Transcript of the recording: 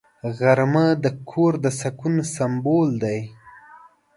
غرمه د کور د سکون سمبول دی